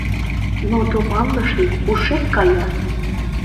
Но туманлыш вет, ушет кая!